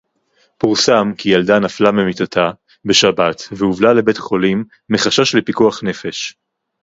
פורסם כי ילדה נפלה ממיטתה בשבת והובלה לבית-חולים מחשש לפיקוח נפש